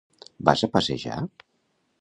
Vas a passejar?